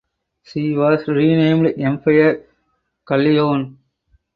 She was renamed "Empire Galleon".